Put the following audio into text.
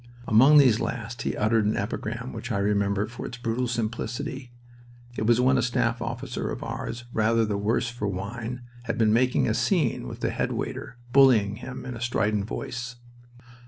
Among these last he uttered an epigram which I remember for its brutal simplicity. It was when a staff officer of ours, rather the worse for wine, had been making a scene with the head waiter, bullying him in a strident voice.